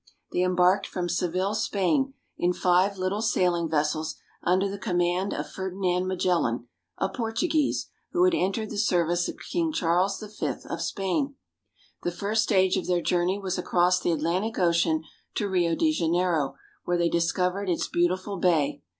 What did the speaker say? They embarked from Seville, Spain, in five little sailing vessels under the com mand of Ferdinand Magellan, a Portuguese, who had en tered the service of King Charles V of Spain. The first stage of their journey was across the Atlantic Ocean to Rio de Janeiro, where they discovered its beautiful bay.